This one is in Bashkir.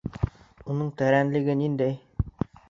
Уның тәрәнлеге ниндәй?